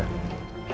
baik pak terima kasih